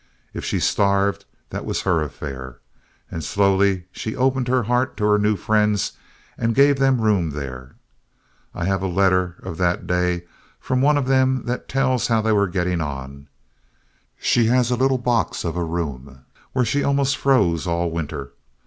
If she starved, that was her affair. And slowly she opened her heart to her new friends and gave them room there. I have a letter of that day from one of them that tells how they were getting on: "She has a little box of a room where she almost froze all winter.